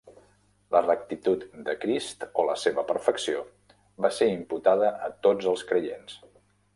La rectitud de Crist, o la seva perfecció, va ser imputada a tots els creients.